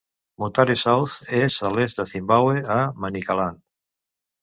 Mutare South és a l'est de Zimbabwe, a Manicaland.